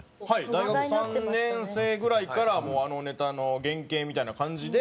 大学３年生ぐらいからもうあのネタの原型みたいな感じで。